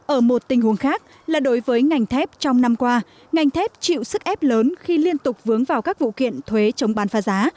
ở một tình huống khác là đối với ngành thép trong năm qua ngành thép chịu sức ép lớn khi liên tục vướng vào các vụ kiện thuế chống bán phá giá